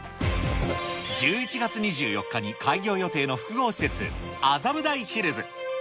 １１月２４日に開業予定の複合施設、麻布台ヒルズ。